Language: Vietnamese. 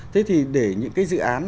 thế thì để những cái dự án